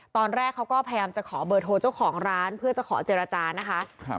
ตอนแรกเขาก็พยายามจะขอเบอร์โทรเจ้าของร้านเพื่อจะขอเจรจานะคะ